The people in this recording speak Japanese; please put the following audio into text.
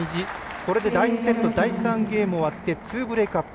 これで第２セット第３ゲーム終わって２ブレークアップ。